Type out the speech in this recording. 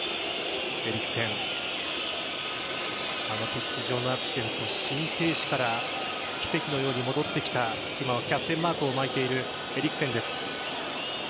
ピッチ上のアクシデント心停止から奇跡のように戻ってきた今はキャプテンマークを巻いているエリクセンです。